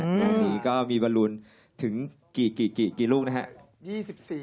งานนี้ก็มีบอลลูนถึงกี่ลูกนะครับ